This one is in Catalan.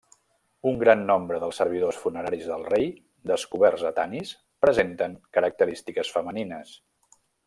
Un gran nombre dels servidors funeraris del rei, descoberts a Tanis, presenten característiques femenines.